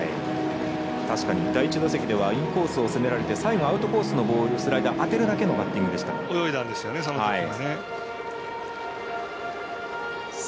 確かに第１打席ではインコースを攻められて、最後アウトコースのボールスライダー、当てるだけのバッティングでした。